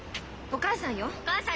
お母さんよ！